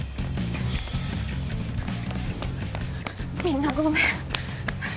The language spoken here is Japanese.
みんなごめん。